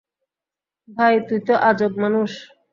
ভাই, তুই তো আজব মানুষ।